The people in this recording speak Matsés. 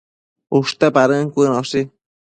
ushte padën cuënoshi